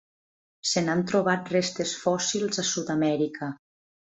Se n'han trobat restes fòssils a Sud-amèrica.